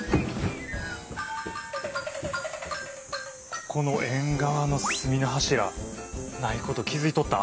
この縁側の隅の柱ないこと気付いとった？